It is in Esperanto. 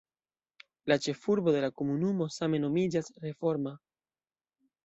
La ĉefurbo de la komunumo same nomiĝas Reforma.